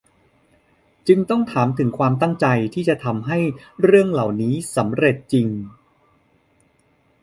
จึงต้องถามถึงความตั้งใจที่จะทำให้เรื่องเหล่านี้สำเร็จจริง